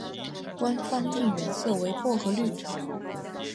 官方应援色为薄荷绿。